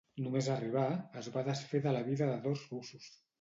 Només arribar, es va desfer de la vida de dos russos.